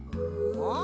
あっ！